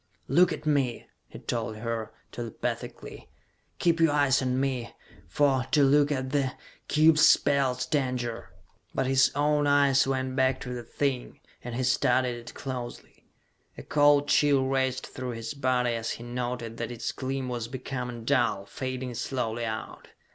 "Look at me!" he told her, telepathically. "Keep your eyes on me, for to look at the cube spells danger!" But his own eyes went back to the thing, and he studied it closely. A cold chill raced through his body as he noted that its gleam was becoming dull, fading slowly out.